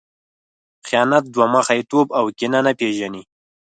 خیانت، دوه مخی توب او کینه نه پېژني.